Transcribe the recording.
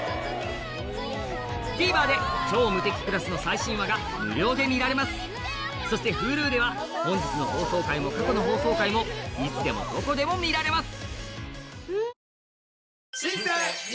ＴＶｅｒで『超無敵クラス』の最新話が無料で見られますそしてＨｕｌｕでは本日の放送回も過去の放送回もいつでもどこでも見られます